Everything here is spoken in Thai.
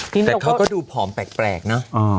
แต่เขาก็ดูผอมแปลกเนอะ